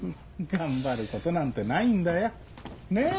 頑張ることなんてないんだよねぇ？